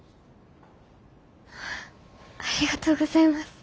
ありがとうございます。